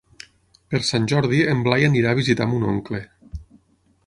Per Sant Jordi en Blai anirà a visitar mon oncle.